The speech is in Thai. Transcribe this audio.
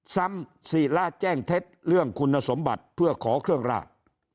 ซ้ำศีระแจ้งเท็จเรื่องคุณสมบัติเพื่อขอเครื่องราช